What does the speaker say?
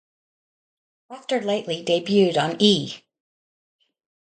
"After Lately" debuted on E!